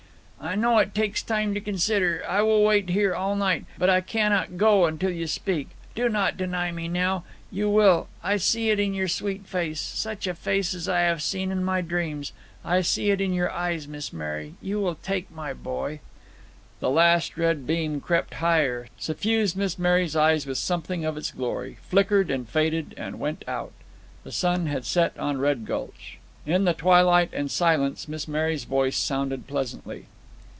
"I know it takes time to consider. I will wait here all night; but I cannot go until you speak. Do not deny me now. You will! I see it in your sweet face such a face as I have seen in my dreams. I see it in your eyes, Miss Mary! you will take my boy!" The last red beam crept higher, suffused Miss Mary's eyes with something of its glory, flickered, and faded, and went out. The sun had set on Red Gulch. In the twilight and silence Miss Mary's voice sounded pleasantly.